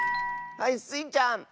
はいスイちゃん！